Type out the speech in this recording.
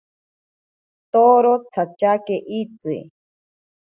Toro tsatyake itsi.